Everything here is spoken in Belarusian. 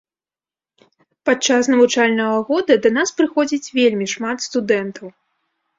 Падчас навучальнага года да нас прыходзіць вельмі шмат студэнтаў.